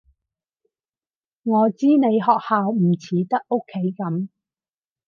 我知你學校唔似得屋企噉